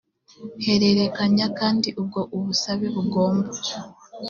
hererekanya kandi ubwo ubusabe bugomba